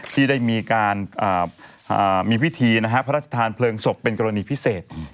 ที่ได้มีการมีพิธีพระราชทานเพลิงศพเป็นกรณีพิเศษ